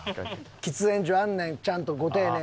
喫煙所あんねんちゃんとご丁寧に。